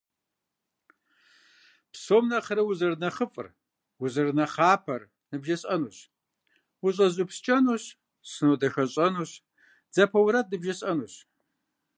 Псом нэхъырэ узэрынэхъыфӏыр, узэрынэхъапэр ныбжесӏэнущ, ущӏэзупскӏэнущ, сынодахэщӏэнущ, дзапэ уэрэд ныбжесӏэнущ.